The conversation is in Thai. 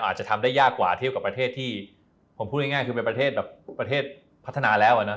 อาจจะทำได้ยากกว่าเทียบกับประเทศที่ผมพูดง่ายคือเป็นประเทศแบบประเทศพัฒนาแล้วนะ